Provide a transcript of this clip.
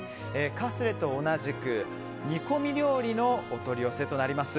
カスレと同じく煮込み料理のお取り寄せとなります。